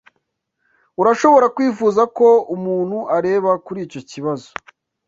Urashobora kwifuza ko umuntu areba kuri icyo kibazo.